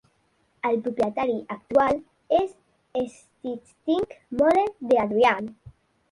El propietari actual és Stichting Molen De Adriaan.